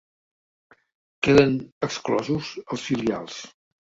Queden exclosos els filials.